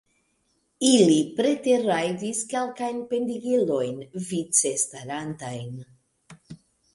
Ili preterrajdis kelkajn pendigilojn, vice starantajn.